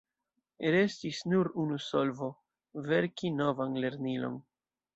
Restis nur unu solvo: verki novan lernilon.